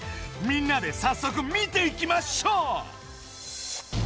みんなでさっそく見ていきましょう！